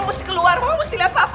mama mesti keluar mama mesti lihat papa